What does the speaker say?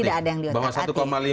tidak ada yang diutak atik